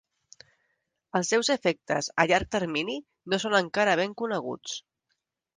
Els seus efectes a llarg termini no són encara ben coneguts.